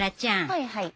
はいはい。